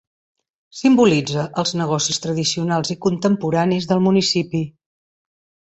Simbolitza els negocis tradicionals i contemporanis del municipi.